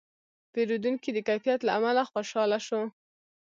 پیرودونکی د کیفیت له امله خوشاله شو.